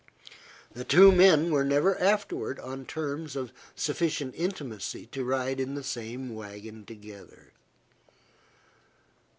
The two men were never afterward on terms of sufficient intimacy to ride in the same wagon together.